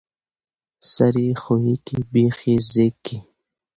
ـ سر يې ښويکى، بېخ يې زيږکى.